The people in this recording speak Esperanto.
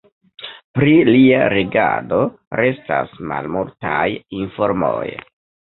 Pri lia regado restas malmultaj informoj.